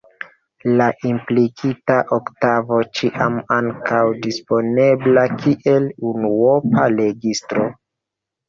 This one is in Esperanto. La implikita oktavo ĉiam ankaŭ disponeblas kiel unuopa registro.